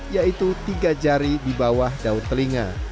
yaitu tiga jari di bawah daun telinga